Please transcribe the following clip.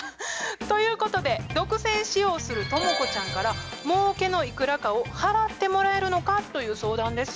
ということで独占使用するトモコちゃんからもうけのいくらかを払ってもらえるのかという相談です。